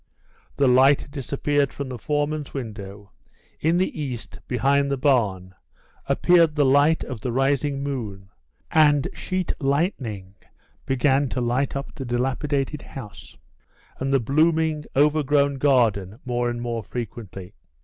The light disappeared from the foreman's window; in the cast, behind the barn, appeared the light of the rising moon, and sheet lightning began to light up the dilapidated house, and the blooming, over grown garden more and more frequently.